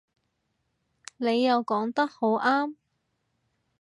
你又講得好啱